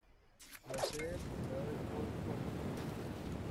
La sede del condado es Fort Collins.